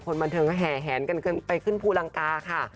คนบันเทิงก็แห่แหนกันไปขึ้นภูลังกาค่ะ